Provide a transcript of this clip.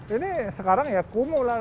ini sekarang ya kumuh lah